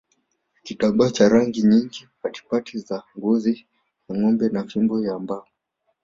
Kitambaa cha rangi nyingi patipati za ngozi ya ngombe na fimbo ya mbao